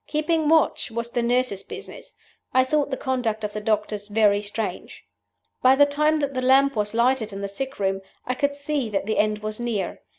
Keeping watch was the nurse's business. I thought the conduct of the doctors very strange. "By the time that the lamp was lighted in the sick room I could see that the end was near.